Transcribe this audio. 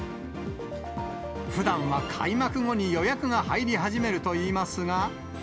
ふだんは開幕後に予約が入り始めるといいますが。